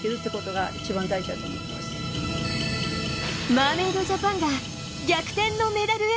マーメイドジャパンが逆転のメダルへ。